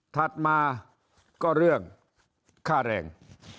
ถัดมาก็เรื่องค่าแรง